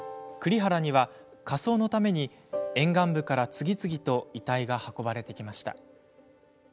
栗原には火葬のために沿岸部から次々と遺体が運ばれてきました。